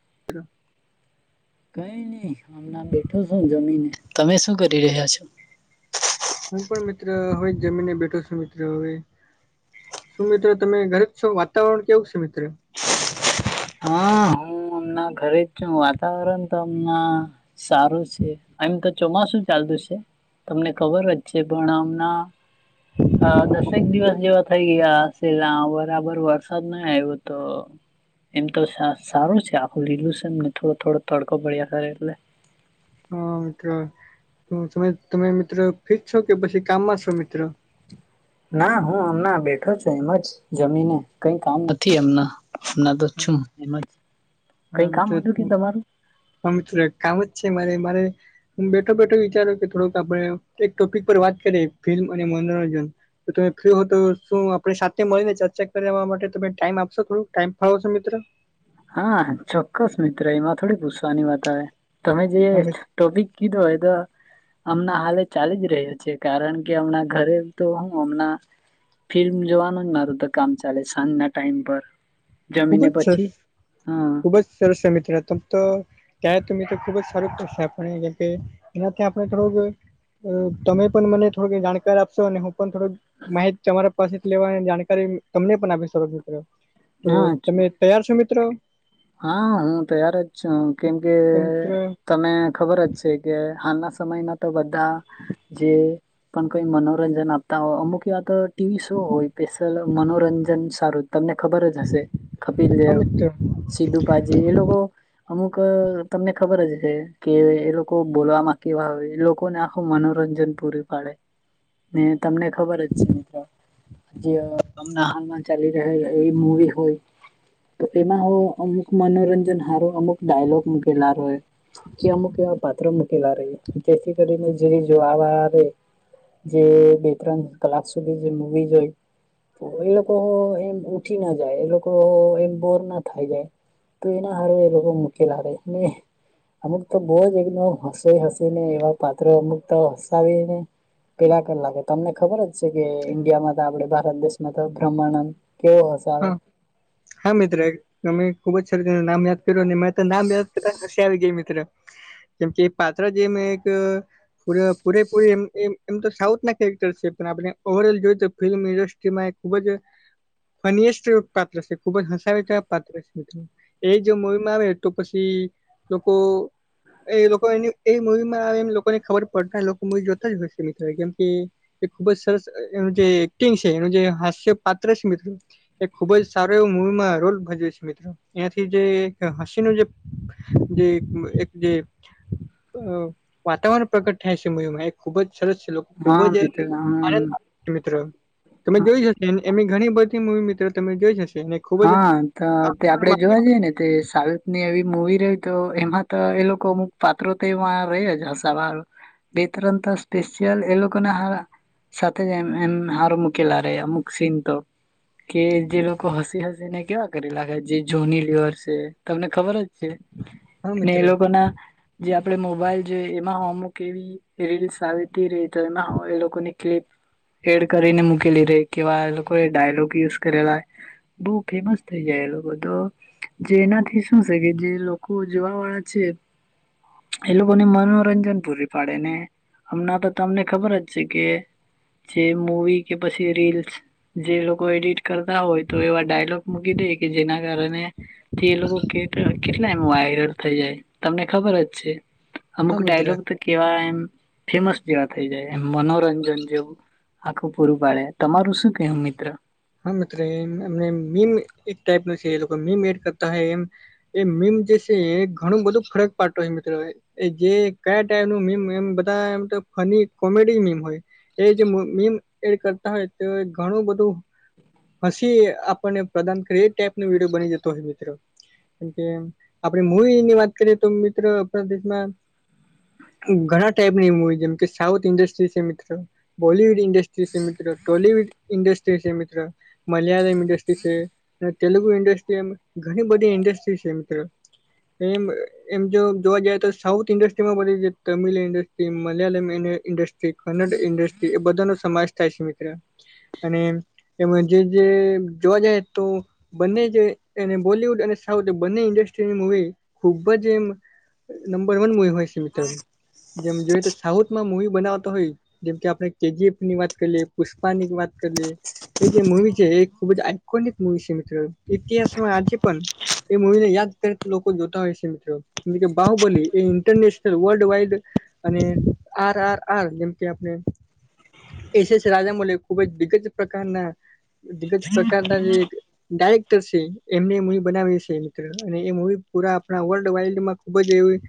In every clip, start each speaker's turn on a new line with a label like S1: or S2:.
S1: [inaudible]
S2: કઈ નહી હમણા બેઠો છું જમીને તમે શું કરી રહ્યા છો.
S1: હું પણ મિત્ર હવે જમીને બેઠો છું મિત્ર હવે. શું મિત્રો તમે ઘરે છો વાતાવરણ કેવું છે મિત્રો
S2: હા. ઘરે જું વાતાવરણ તો અમના. સારું છે આમ તો ચોમાસુ ચાલતુ છે તમને ખબર જ છે પણ આમના હા. દસેક દિવસ જેવા થઈ ગયા છેલા બરાબર વરસાદ નહી આવ્યો તો એમ તો સારું છે આખું લીલું છે એમને થોડો થોડો તડકો પડ્યા કરે એટલે.
S1: હા મિત્ર તમે તમે મિત્ર ફિટ છો કે પછી કામમાં છો મિત્ર?
S2: ના હું હમના બેઠો છું એમ જ જમીને કઈ કામ નથી એમના. તો છું એમાં કઈ કામ હતું કે તમારું
S1: હ મિત્ર તું કામ જ છે મારે મારે હ બેઠો બેઠો વિચારો કે થોડુંક આપડે એક ટોપિક પર વાત કરીએ ફિલ્મ અને મનોરંજન જો તમે ફ્રી હો તો શું આપણે સાથે મળીને ચર્ચા કરવાવા માટે તમે ટાઈમ આપશો થોડો ટાઈમ ફાળવશો મિત્રો?
S2: હા ચોક્કસ મિત્ર એમાં થોડી પૂછવાની વાત આવે તમે જઈએ.
S1: અમે
S2: ટોપિક કી દ એદ. હમણાં હાલે ચાલી જ રહ્યા છે કારણ કે હમણા ઘરે તો હું હમણા ફિલ્મ જોવાનું જ મારું તો કામ ચાલે સાંજ ના ટાઈમ પર
S1: ખુબ
S2: જમીને
S1: જ સરસ
S2: પછી હા
S1: ખુબ જ સરસ છે મિત્ર તમ તો ક્યાં મિત્ર ખુબ જ સારું કરશે આપણે કેમ કે એનાથી આપણે થોડુંક તમે પણ મને થોડું જાણકારી આપશો અને હું પણ થોડુંક માહિત તમારા પાસે લેવાની જાણકારી તમને પણ આપી શ મિત્ર તો
S2: હા
S1: તમે તૈયાર છો મિત્રો?
S2: હા હું તૈયાર જ છું કેમ કે
S1: મિત્ર
S2: તને ખબર જ છે કે હાલના સમયના તો બધા જે પણ કઈ મનોરંજન આપતા હો અમુક વાત ટીવી શો હોય. સ્પલ મનોરંજન સારું તમને ખબર જ હશે કપિલ દેવ
S1: જ
S2: દુ પાજી એ લોકો અમુક તમને ખબર જ છે કે એ લોકો બોલવામાં કેવા આવે એ લોકોને આખું મનોરંજન. પૂરી પાડે ને તમને ખબર જ છે મિત્રો જેમ હાલમાં ચલી રહે એ મુડી હોય તો એમાં અમુક મનોરંજન હાર હો અમુક ડાયલોગ ગેલાાર હોય કે અમુક એવા પાત્ર મૂકેલા ર જેથી કરીને જે જો આવા આવે જે બે ત્રણ કલાક સુધી જે મુવીઝ હોય એ લોકો એમ ઉઊઠી ના જાય એ લોકો એમ બોર ના થાય જાય. તો એના હાર એ લોકો મુખ્ય લાગે અમુક તો બહુ જ એકદમ હસ હસી ને એવા પાત્રો અમુક તો હસાવી ને પેલા કલાકે તમને ખબર જ છે કે ઈન્ડિયામાં તો આપડ ભારત દેશમાં તો બ્રહ્માંનંદ કેવ હશે
S1: હા હા મિત્ર એક તમે ખુબ જ સારી રી નામ યાદ કર્યું મે નામ યાદ કરતા આવી ગઈ મિત્ર કેમ કે પાત્રળા જેમ એક પ પૂરેપૂરે એ એમ તો સાઉથ ના કેરેક્ટર છે પણ આપણે ઓવર ઓલ જોઈએ તો ફિલ્મ ઇન્ડસ્ટ્રી કે મે ખુબ જ ફનિસ્ પાત્ર છે ખૂબ જ હસાવે છે પાત્ર છે પાત્ર એ જો મુવી માં આવે તો પછી લોકો એ લોકો એ મવીમાં એમ લોકોને ખબર પડતા એ લોકો મવી જોતા જ હોય છે મ કેમ કે એ ખુબ જ સરસ એનું જે એક્ટિંગ છે એનું જે હાસ્ય પાત્ર છે મિત્રો એ ખુબ જ સારો એવો મૂવીમાં રોલ ભજવે છે મિત્રો એંથી જે એક હસી ન જે જે એક જે અ વાતાવરણ પ્રકટ થાય છે મયુમાં એ ખુબ જ સરસ છે લોકો ખૂબ
S2: હા
S1: જ
S2: મિત્ર હા
S1: આનંદ મિત્રો તમે જોઈ જશે ને એમની ઘણી બધી મવી મિત્રો તમે જોઈ જશે ને
S2: હા તો તે આપડે જોવા જઈએ ને સાવ ની એવી મુવી રહી તો એમાં તો એ લોકો અમુક પાત્રો તો ર જ હસાવાર બે તરંત સ્પેશયલ એ લોકોગના હારા સાથે જમ એમ હાર મૂકેલા રહે અમુક ચિ તો કે જે લોકો હ હસી ને કેવા કરી લખે જે જોની લિર છે તમને ખબર જ
S1: મિત્ર
S2: એ લોકો ના જે આપડે મોબાઈલ જો એમાં હોમવક એવી રીલીસ આવીતી રહી તો એમાં એ લોકોની ક્લિપ એડ કરીને મૂકેલી રહી કેવા લોકો એ ડાયલોગ યુઝ કરેલા બઉુ ફેમસ થઈ જાય એ લોકો તો જે એનાથી શું છે કે જે લોકો જોવા વાળા છે એ લોકો ને મનોરંજન પૂરી પાડે ને હમણાં તો તમને ખબર જ છે કે જે મૂવી કે પછી રીલ્સ જે લોકો એડિટ કરતા હોય તો એવા ડાયલોગ મૂકી દે કે જેના કારણે થી એ લોકો કે એ એમ વાયરલ થઈ જાય તમને ખબર જ છે
S1: હા
S2: અમુક
S1: મિત્ર
S2: ડાયલોગ કેવા એમ ફેમસ જેવા થઈ જાય એમ મનોરંજન જેવું આખું પૂરું પાડે તમારું શું કહ મિત્ર
S1: હા મિત્રમ મીમ એક ટાઈપ ન છે મીમ એડ એમ એ મીમ જે છે એ ઘણું બધું ફરક પાડતો હોય મિત્રો એ જે કયા ટાઈપ ન મીમ એમ બધા એમ તો ફની કોમેડી મીમ હોય એ જે મીમ એડ કરતા હોય તે ઘણું બધું હસી આપણને પ્રદાન કર એ ટાઈપ ન વિડીયો બની જતો હોય મિત્રો. કેમ કે આપણે મૂવી ની વાત કરીએ તો, મિત્ર, આપણા દેશમાં ઘણા ટાઈપ ની મૂવી, જેમ કે સાઉથ ઇન્ડસ્ટ્રી છે, મિત્રો. બલીઉડ ઇન્ડસ્ટ્રી, સમિત ટોલીઉડ ઇન્ડસ્ટ્રી. મલયાલમ ઈન્ડસ્ટ્રી છે. તેલુગુ ઇન્ડસ્ટ્રી એમ ઘણી બધી ઇન્ડસ્ટ્રી છે મિત્રો. એમ એમ જો જોવા જાય તો, સાઉથ ઇન્ડસ્ટ્રી માં બધી તમિલ ઇન્ડસ્ટ્રી મલયાલમ ને ઈન્ડસ્ટ્રી. કન્નડ ઇન્ડસ્ટ્રી એ બધા નો સમાેશ થાય છે, મિત્ર, અને કે જે જે જોવા જાય તો. બંને જે એને બોલવૂડ અને સાઉથ બંને ઇન્ડસ્ટ્રીની મવી ખૂબ જ એમ નંબર વન મુવી હોય છે, મિત્ર. જેમ જોઈએ તો, સાઉથમાં મુવી બનાવતા હોય જેમ કે, આપણે કેજી એફ ની વાત કરીએ, પુષ્પા ની વાત કરી લીએ. એ જે મુૂવી છે, એ ખુબ જ કોને એક મુવી છે, મિત્રો, ઇતિહાસમાં આજે પણ એ મૂવી ને યાદ કરે, તો લોકો જોતા હોય છે, મિત્રો. જેમ કે, બાહુબલી એ ઇન્ટરનેશનલ વર્લ્ડ વાઇડ અને આર. આર. આર જેમ કે આપણે એસસ રાજાામલ ખુબ જ દિગ્ગજ પ્રકારના દિગ્ગજ પ્રકારના જે ડાયરેક્ટર છે એમને મુવી બનાવી છે, મિત્ર અને એ મૂવી પુરા આપણા વર્લ્ડ વાઈડમાં ખૂબ જ એવી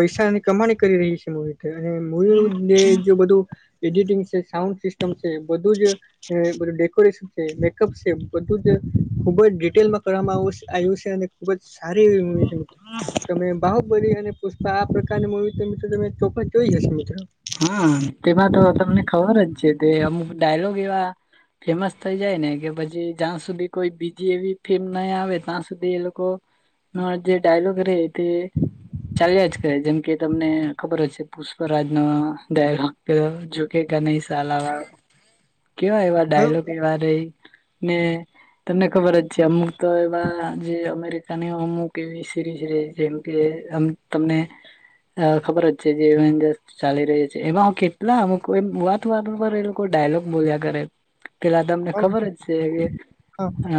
S1: પૈસાની કમાણી કરી રહી છે, મૂવી, અને એ જો બધું એડિટિંગ છે, સાઉન્ડ સિસ્ટમ છે, બધું જ ડેકોરેશન મેકઅપ છે, બધું જ ખુબ જ ડિટેલમાં કરવામાં આવ્યું છે, અને ખુબ જ સારી એવી મૂવી છે. તમે બાહુબલી અને પુષ્પા આ પ્રકારની મૂવી, મિત્રો, તમે ચોખા જોઈ હશે, મિત્રો.
S2: હા, તેમાં તો તમને ખબર જ છે, તે અમુક ડાયલોગ એવા ફેમસ થઈ જાય ને, કે પછી જ્યાં સુધી કોઈ બીજી એવી ફિલ્મ નહીં આવે, ત્યાં સુધી એ લોકો હ, જે ડાયલોગ રહે તે. ચાલ્યા જ કરે, જેમ કે તમને ખબર જ છે, પુષ્પ રાજ. ડાયલોગ કે, ઝૂકેગા નહીં સાલા, કેવા એવા
S1: હ
S2: ડાયલોગ એવા રહીં ને તમને ખબર જ છે, અમુક તો એવા જે અમેરિકા અમુક એવી સીરીઝ એ છે કે, જે તમને અ ખબર છે, જે કે ચાલીયા છે, એમાં હું કેટલા અમે, એ વાત પર એ લોકો ડાયલોગ બોલ્યા કરે. પેલા તમને ખબર જ છે કે અ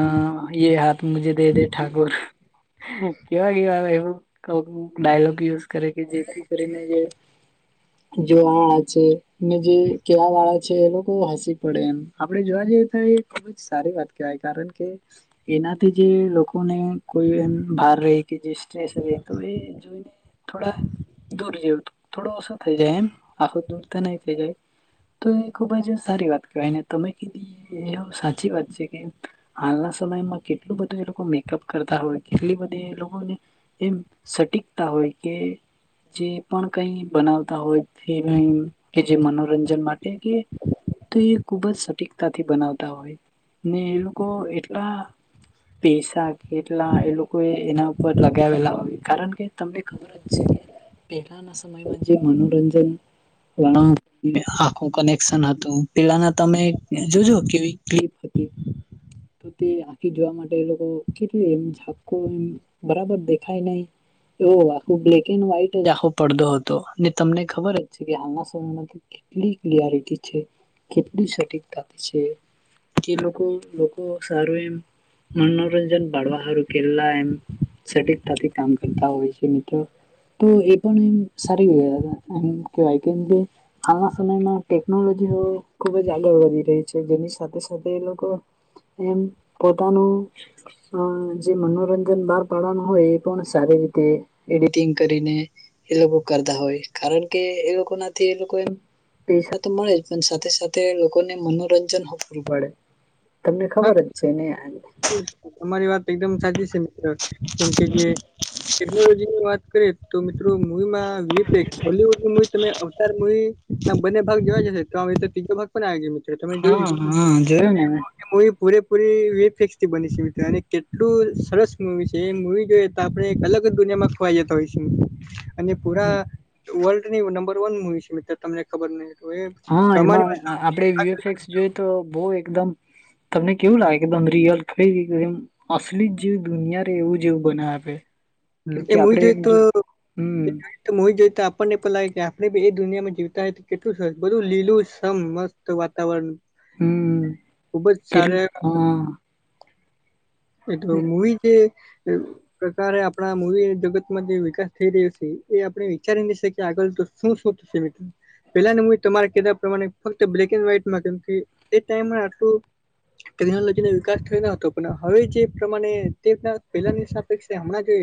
S2: એ હાથ મુજે દે, ઠાકોર. કેવા કેવા એવું ડાયલોગ યુઝ કરે કે, જેથી કરીને જે જોવા વાળા છે ને, જે કેવા વાળા છે, એ લોકો હસી પડે એમ. આપડે જોવા જઈએ તો, એ ખૂબ જ સારી વાત કહેવાય, કારણ કે એનાથી જે લોકો [unintelligible] જે તો એ જોઈને થોડા દૂર જેવું થોડો થઈ જાય એમ, આખો દૂર તો નહીં થઈ જાય. તો એ ખુબ જ સારી વાત કહેવાય. તમે કીધી એ સાચી વાત છે કે હાલના સમયમાં કેટલું બધું એ લોકો મેકઅપ કરતા હોય, કેટલી બધી એ લોકોને એમ સટીકતા હોય કે, જે પણ કંઈ બનાવે હોય કે, જે મનોરંજન માટે કે, એ ખુબ જ સટીક થી બનાવતા હોય ને, એ લોકો એટલા પૈસા. કે એટલા એ લોકો એ એના ઉપર લગાવેલા હોય, કારણ કે તમને ખબર જ છે કે, પહેલાના સમયમાં જે મનોરંજન [unintelligible] આખું કનેક્શન હતું પેલાના તમે જોજો કેવી ક્લપ હતી.
S1: હ
S2: તો તે આખી જોવા માટે એ લોકો કેટલી એમ ઝાપકો એમ બરાબર દેખાય નહીં એવો આખું બ્લેક એન્ડ વ્હાઈટ જ આખો પડદો હતો. ને તમને ખબર જ છે કે હાલના સમયમાંથી કેટલી ક્લિયારિટી છે, કેટલી સટીકતાથી છે. જે લોકો લોકો સારું એમ મનોરંજન બાળવા હારું કેરલા એમ સટિકતાથી કામ કરતાં હોય છે મિત્રો તો એ પણ સા એમ કેવાય કેમ બી. હાલના સમયમાં ટેકનોલોજીઓ ખુબ જ આગળ વધી રહી છે જેની સાથે સાથે એ લોકો એમ પોતાનું અ જે મનોરંજન બાર પાડવાનું હોય એ પણ સારી રીતે એડિટિંગ કરીને એ લોકો કરતાં હોય કારણ કે એ લોકોના થી એ લોકો એમ પૈસા તો મળે જ પણ સાથે સાથે લોકોને મનોરંજન હો પૂરું પાડે. તમને
S1: હ
S2: ખબર જ છે ને
S1: સારું છે અમારી વાત એકદમ સાચી છે મિત્ર કેમ કે જે ટેકનોલોજીની વાત કરીએ તો મિત્રો મૂવીમાં વીઈપેક હોલીવુડની તમે અવતાર મુવીના બંને ભાગ જોવાય જશે તો અવે તો ત્રીજો ભાગ પણ આવી ગયો મિત્ર.
S2: હા હા જોયું ને મેં.
S1: એ મૂવી પૂરેપૂરી વી એ ફેક્સ થી બની છે મિત્ર અને કેટલું સરસ મૂવી છે એ મૂવી જોએ તા આપણે એક અલગ જ દુનિયામાં ખોવાઈ જતાં હોય છે. અને પુરા વર્લ્ડની નંબર વન મુવી છે મિત્ર. તમને ખબર નહીં હતું એ તો એ
S2: હા
S1: કમાની
S2: એમાં
S1: વાત
S2: આપડે વીએફએક્સ
S1: [unintelligible]
S2: જોઈ તો બહુ એકદમ તમને કેવું લાગે એકદમ રિયલ ફ્રી એમ અસલી જેવું દુનિયા રે એવું જેવું બનાય આપે. કેમ કે
S1: એ મૂવી
S2: આપડે એમ
S1: જોઈ
S2: જો હમ્મ.
S1: તો મૂવી જોઈએ તો આપણને પણ લાગે કે આપણે બી એ દુનિયામાં જીવતાં હોય તો કેટલું સર બધું લીલું સમ મસ્ત. તો વાતાવરણ
S2: હમ
S1: ખુબ જ
S2: કેટલું
S1: સારું એમ
S2: હા
S1: પઈ તો મૂવી જે પ્રકારે આપ આપણા મૂવી જગતમાં જે વિકાસ થઈ રહ્યો શે એ આપણે વિચારી ની શકીએ આગળ તો શું શું થશે મિત્ર. પેલા મૂવી તમારે કીધા પ્રમાણે ફક્ત બ્લેક એન્ડ વ્હાઈટમાં કેમકે એ ટાઈમે આટલું ટેકનોલોજીનો વિકાસ થયો ન હતો પણ હવે જે પ્રમાણે તે પહેલાની શાપેક્ષે હમણાં જે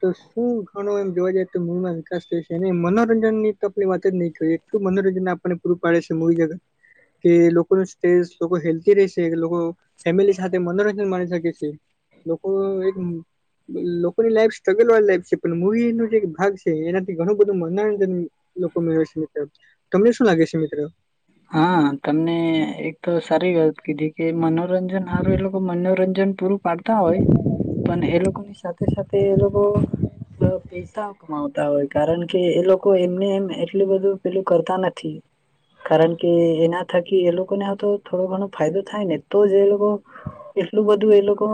S1: તો શું ઘણો એમ જોવા જાયે તો મૂવીમાં વિકાસ થયો છે અને મનોરંજનની તો આપણે વાત જ નહીં કરીએ. શું મનોરંજન આપણને પૂરું પાડે છે મૂવી જગત. કે લોકોનું સ્ટેસ લોકો હેલ્ધી રે છે કે લોકો ફેમિલી સાથે મનોરંજન માની શકે છે લોકો એક- ની લાઈફ સ્ટ્રગલ વાળી લાઈફ છે પણ મુવી નું જે ભાગ છે એનાથી ઘણું બધું મનોરંજન લોકો મેળવે છે મિત્ર તમને શું લાગે છે મિત્રો
S2: હા તમને એક તો સારી વાત કીધી કે મનોરંજન સારું એ લોકો મનોરંજન પૂરું પાડતા હોય પણ એ લોકો ની સાથે સાથે એ લોકો અ પૈસા કમાવતા હોય કારણ કે એ લોકો કો એમને એમ એટલું બધું પેલું કરતા નથી. કારણ કે એના થકી એ લોકોને તો થોડો ઘણો ફાયદો થાય ને તો જ એ લોકો એટલું બધું એ લોકો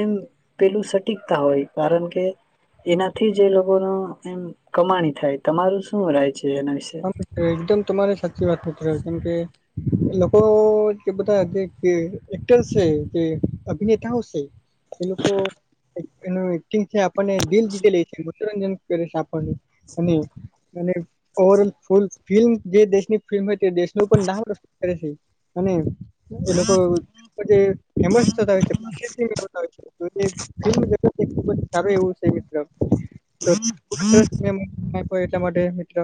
S2: એમ પેલું સટીકતા હોય કારણ કે એનાથી જ એ લોકો ન એમ કમાણી થાય તમારું શું રહેાય છે એના વિશે
S1: હા મિત્ર એકદમ તમારી સાચી વાત મિત્ર કેમ કે લોકો કે બધા એક્ટર છે, કે અભિનેતાઓ છે. એ લોકો એનું એક્ટિંગ છે આપણને દિલ રીતે લે છે મનોરંજન કરે આપણ અને ઓવરલ ફૂલ ફિલ્મ જે દેશની ફિલ્મ હોય તે દેશનું પણ નામ રશન કરે છે અને એ લોકો ફેમસ થતા હોય છેદિય ખબ સારું એવું છે મિત્ર તો એટલા માટે મિત્ર